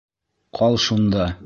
Ҡал шунда.